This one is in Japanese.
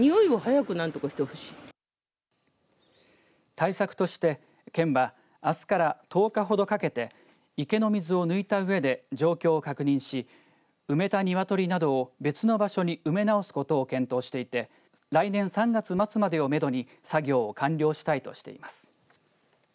対策として県はあすから１０日ほどかけて池の水を抜いたうえで状況を確認し埋めた鶏などを別の場所に埋め直すことを検討していて来年３月末までをめどに作業を完了したいとしています。